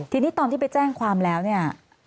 ทีนี้ตอนที่ไปแจ้งความแล้วเนี่ย